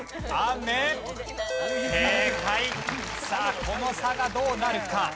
さあこの差がどうなるか？